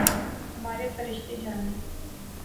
ہمارے فرشتے جانیں۔